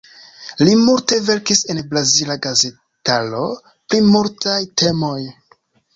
Li multe verkis en brazila gazetaro pri multaj temoj.